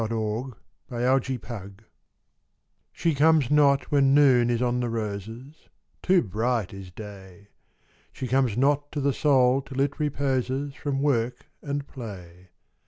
Y Z She Comes Not She comes not when Noon is on the roses Too bright is Day. She comes not to the Soul till it reposes From work and play.